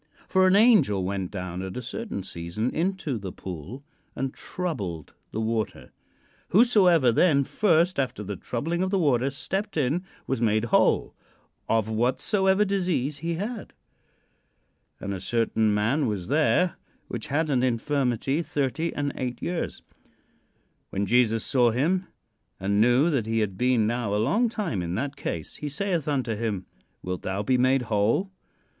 "For an angel went down at a certain season into the pool and troubled the water: whosoever then first after the troubling of the water stepped in was made whole of whatsoever disease he had. "And a certain man was there which had an infirmity thirty and eight years. "When Jesus saw him he and knew that he had been now a long time in that case, he saith unto him: 'Wilt thou be made whole??'